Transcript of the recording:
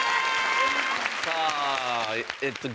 さあえっと